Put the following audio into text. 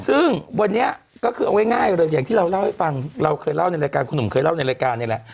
ซึ่งวันนี้ก็คือเอาง่ายเลยอย่างที่เราเล่าให้ฟังเราเคยเล่าในรายการคุณหนุ่มเคยเล่าในรายการนี่แหละ